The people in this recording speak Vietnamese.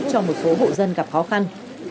cho một số bộ dân gặp khó khăn